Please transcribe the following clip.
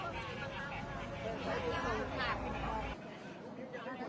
ไม่โดนไม่โดนไม่โดนไม่โดนไม่โดนไม่โดนไม่โดนไม่โดนไม่โดนไม่โดน